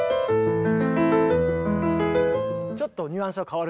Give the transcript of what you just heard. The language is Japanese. ちょっとニュアンスは変わると思う。